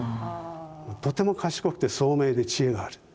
とても賢くて聡明で知恵がある。